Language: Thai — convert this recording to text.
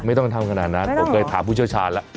ไม่ต้องทำขนาดนั้นโอเคถามผู้เชื่อชาลละ